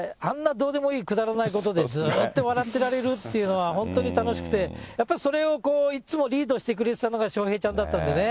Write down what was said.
どうでもいい、くだらないことでずっと笑ってられるっていうのは、本当に楽しくて、やっぱりそれをいつもリードしてくれていたのが、笑瓶ちゃんだったんでね。